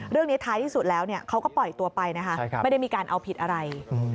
เรื่องนี้ท้ายที่สุดแล้วเขาก็ปล่อยตัวไปไม่ได้มีการเอาผิดอะไร